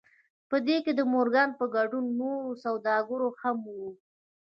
په دې کې د مورګان په ګډون نور سوداګر هم وو